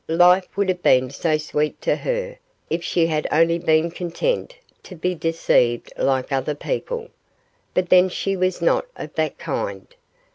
Life would have been so sweet to her if she had only been content to be deceived like other people; but then she was not of that kind.